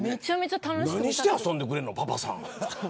何して遊んでくれるのパパさん。